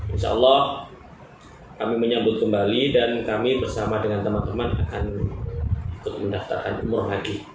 insya allah kami menyambut kembali dan kami bersama dengan teman teman akan ikut mendaftarkan umroh haji